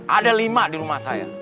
ada lima di rumah saya